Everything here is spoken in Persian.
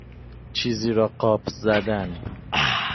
چیزی را قاپ زدن